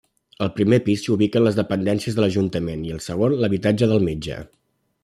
Al primer pis s'hi ubiquen les dependències de l'ajuntament i al segon, l'habitatge del metge.